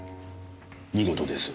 見事です。